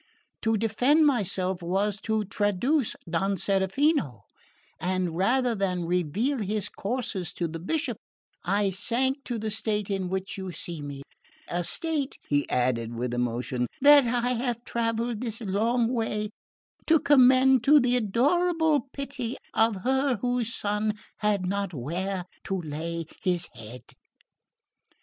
To defend myself was to traduce Don Serafino; and rather than reveal his courses to the Bishop I sank to the state in which you see me; a state," he added with emotion, "that I have travelled this long way to commend to the adorable pity of Her whose Son had not where to lay His head."